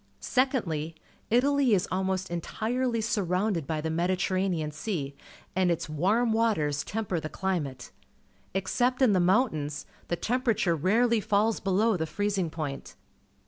Secondly, Italy is almost entire \y surrounded by the JMediterranean Sea, and its warm waters temper the climate. Except in the mountains, the temperature rarely falls below the freezing point.